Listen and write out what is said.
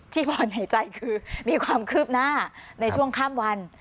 ผ่อนหายใจคือมีความคืบหน้าในช่วงข้ามวัน